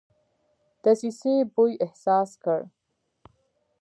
دسیسې بوی احساس کړ.